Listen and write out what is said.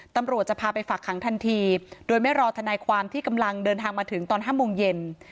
ตำรวจจะพาไปฝากขังทันทีโดยไม่รอทนายความที่กำลังเดินทางมาถึงตอน๕โมงเย็น